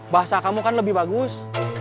bahasa kamu kan lebih bagus